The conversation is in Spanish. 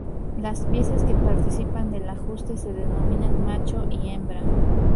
Las piezas que participan del ajuste se denominan macho y hembra.